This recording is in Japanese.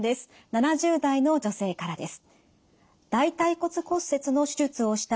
７０代の女性からです。